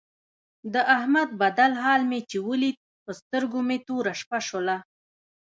د احمد بدل حال مې چې ولید په سترګو مې توره شپه شوله.